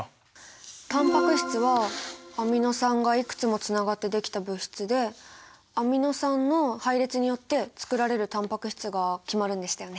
タンパク質はアミノ酸がいくつもつながってできた物質でアミノ酸の配列によってつくられるタンパク質が決まるんでしたよね！